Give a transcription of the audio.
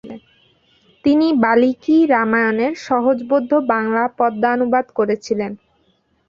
তিনি বাল্মীকি রামায়ণের সহজবোধ্য বাংলা পদ্যানুবাদ করেছিলেন।